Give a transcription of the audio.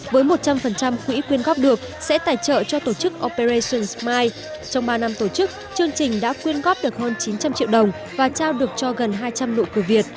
với một trăm linh quỹ quyên góp được sẽ tài trợ cho tổ chức operation smile trong ba năm tổ chức chương trình đã quyên góp được hơn chín trăm linh triệu đồng và trao được cho gần hai trăm linh lụy